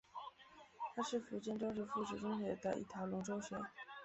它是福建中学附属学校的一条龙中学。